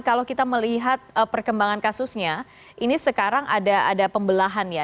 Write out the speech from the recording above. kalau kita melihat perkembangan kasusnya ini sekarang ada pembelahan ya